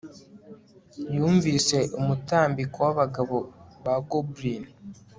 Yumvise umutambiko wabagabo ba goblin